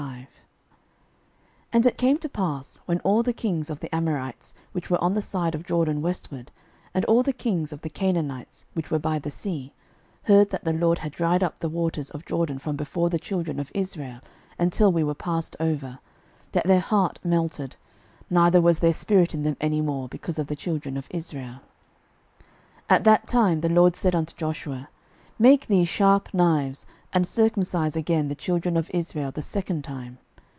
06:005:001 And it came to pass, when all the kings of the Amorites, which were on the side of Jordan westward, and all the kings of the Canaanites, which were by the sea, heard that the LORD had dried up the waters of Jordan from before the children of Israel, until we were passed over, that their heart melted, neither was there spirit in them any more, because of the children of Israel. 06:005:002 At that time the LORD said unto Joshua, Make thee sharp knives, and circumcise again the children of Israel the second time.